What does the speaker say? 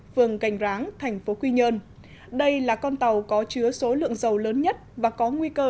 phường cảnh ráng thành phố quy nhơn đây là con tàu có chứa số lượng dầu lớn nhất và có nguy cơ